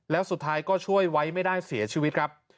แล้วสุดท้ายก็ช่วยไว้ไม่ได้เสียชีวิตครับ